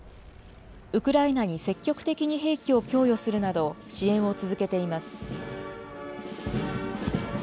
ウクライナに積極的に兵器を供与するなど、支援を続けています。